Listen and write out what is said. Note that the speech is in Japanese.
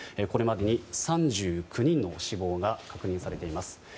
これまでに３９人の死亡が確認されています。